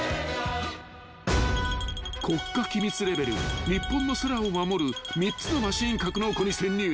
［国家機密レベル日本の空を守る３つのマシン格納庫に潜入］